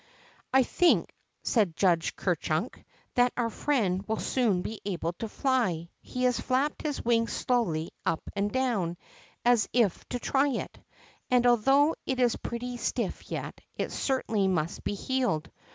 I think,'' said Judge Ker Chunk, that our friend Avill soon he able to fly. He has flapped his Aving sloAvly up and doAAui, as if to try it, and, although it is pretty stiff yet, it certainly must he healed."